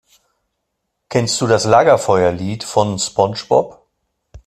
Kennst du das Lagerfeuerlied von SpongeBob?